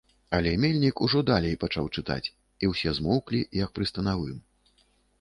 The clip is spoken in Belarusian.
Але мельнік ужо далей пачаў чытаць, і ўсе змоўклі, як пры станавым.